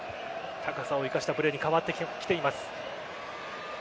高さを生かしたプレーに変わってきています。